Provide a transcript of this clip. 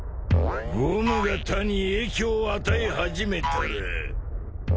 ゴムが他に影響を与え始めたら。